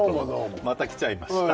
また来ちゃいました。